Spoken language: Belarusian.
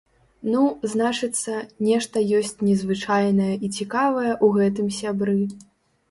Ну, значыцца, нешта ёсць незвычайнае і цікавае ў гэтым сябры.